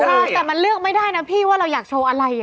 ใช่แต่มันเลือกไม่ได้นะพี่ว่าเราอยากโชว์อะไร